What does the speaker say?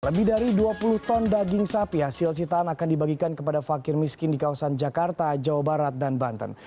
lebih dari dua puluh ton daging sapi hasil sitaan akan dibagikan kepada fakir miskin di kawasan jakarta jawa barat dan banten